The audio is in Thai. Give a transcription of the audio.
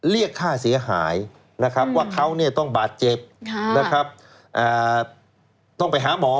เรียกค่าเสียหายว่าเขาต้องบาดเจ็บต้องไปหาหมอ